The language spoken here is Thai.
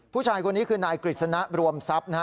ผู้ชายคนนี้คือนายกริสนะรวมทรัพย์